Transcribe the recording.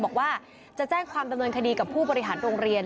บอกว่าจะแจ้งความดำเนินคดีกับผู้บริหารโรงเรียน